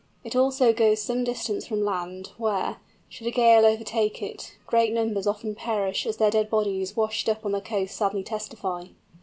It also goes some distance from land, where, should a gale overtake it, great numbers often perish, as their dead bodies washed up on the coast sadly testify.